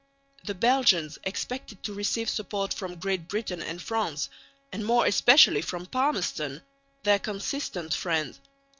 The Belgians expected to receive support from Great Britain and France, and more especially from Palmerston, their consistent friend.